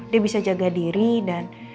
dia bisa jaga diri dan